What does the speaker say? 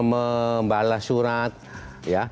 membalas surat ya